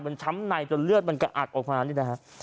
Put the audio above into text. มันช้ำในจนเลือดมันกระอักออกมานี่นะฮะ